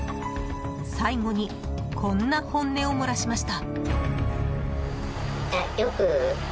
最後にこんな本音を漏らしました。